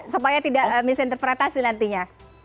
supaya tidak misinterpretasi nantinya